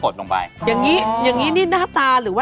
สะเตะอุ๊ย